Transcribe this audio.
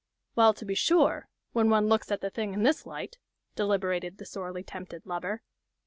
"Well, to be sure when one looks at the thing in this light," deliberated the sorely tempted lover.